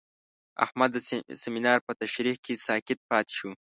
احمد د سمینار په تشریح کې ساکت پاتې شو.